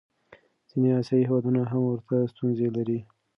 ځینې آسیایي هېوادونه هم ورته ستونزې لري.